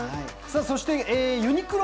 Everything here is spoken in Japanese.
そしてユニクロ